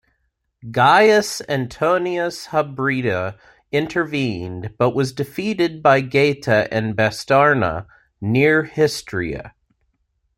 Gaius Antonius Hybrida intervened, but was defeated by Getae and Bastarnae near Histria.